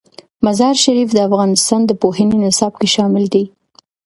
مزارشریف د افغانستان د پوهنې نصاب کې شامل دي.